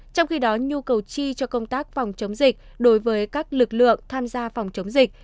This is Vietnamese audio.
trong khi đó nhu cầu chi cho công tác phòng chống dịch đối với các lực lượng tham gia phòng chống dịch